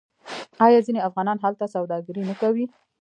آیا ځینې افغانان هلته سوداګري نه کوي؟